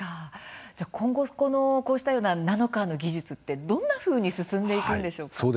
じゃあ今後こうしたようなナノカーの技術ってどんなふうに進んでいくんでしょうか？